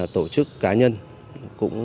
tổ chức cá nhân cũng